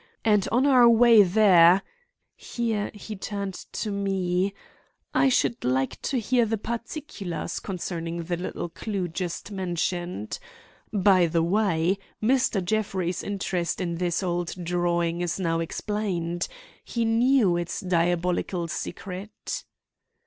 And on our way there"—here he turned to me "I should like to hear the particulars concerning the little clue just mentioned. By the way, Mr. Jeffrey's interest in this old drawing is now explained. He knew its diabolical secret."